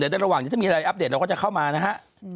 ในระหว่างนี้ถ้ามีอะไรอัปเดตเราก็จะเข้ามานะฮะ